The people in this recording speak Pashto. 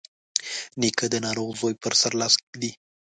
نیکه د ناروغ زوی پر سر لاس ږدي.